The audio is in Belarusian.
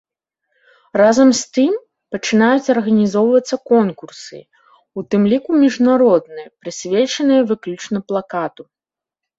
Разам з тым, пачынаюць арганізоўвацца конкурсы, у тым ліку міжнародныя, прысвечаныя выключна плакату.